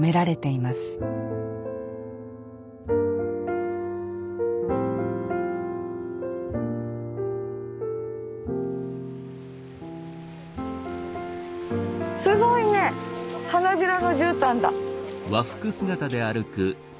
すごいね花びらのじゅうたんだ。